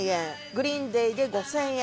グリーン・デイで５０００円